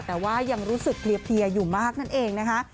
แต่ว่ายังรู้สึกเพลียอยู่มากนั่นเองนะคะ